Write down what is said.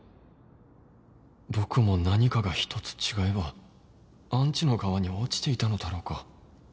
僕も何かが一つ違えばアンチの側に落ちていたのだろうか？